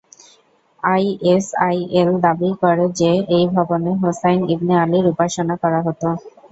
ISIL দাবি করে যে এই ভবনে হোসাইন ইবনে আলীর "উপাসনা" করা হতো।